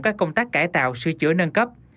các công tác cải tạo sửa chữa nâng cấp